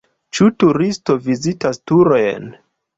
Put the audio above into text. Ĉu turisto vizitas turojn?